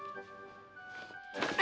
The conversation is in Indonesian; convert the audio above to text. ini dikutuk upret